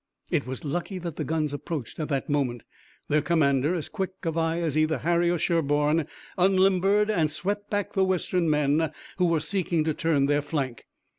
It was lucky that the guns approached at that moment. Their commander, as quick of eye as either Harry or Sherburne, unlimbered and swept back the western men who were seeking to turn their flank.